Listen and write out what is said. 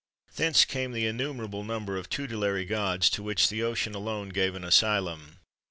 [XXV 8] Thence came the innumerable number of tutelary gods to which the Ocean alone gave an asylum.